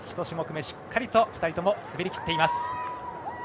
１種目め、しっかりと２人とも滑りきっています。